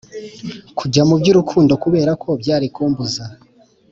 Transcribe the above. kujya mubyurukundo kubera ko byari kumbuza